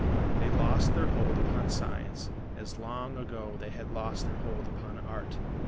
They lost their hold upon Science, as long ago they had lost their hold upon Art.